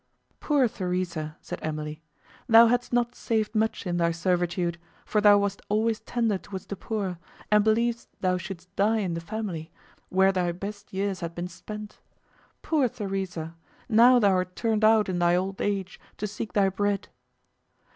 —"Poor Theresa," said Emily, "thou hadst not saved much in thy servitude, for thou wast always tender towards the poor, and believd'st thou shouldst die in the family, where thy best years had been spent. Poor Theresa!—now thou art turned out in thy old age to seek thy bread!"